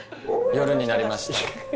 夜になりました